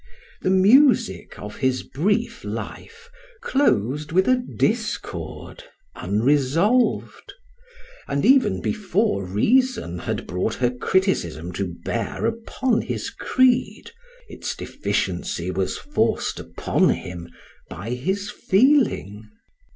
The music of his brief life closed with a discord unresolved; and even before reason had brought her criticism to bear upon his creed, its deficiency was forced upon him by his feeling.